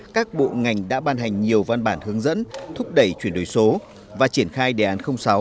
các bộ ngành đã ban hành nhiều văn bản hướng dẫn thúc đẩy chuyển đổi số và triển khai đề án sáu